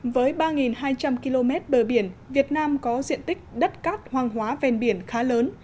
với ba hai trăm linh km bờ biển việt nam có diện tích đất cát hoang hóa ven biển khá lớn